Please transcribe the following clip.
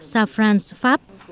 sao france pháp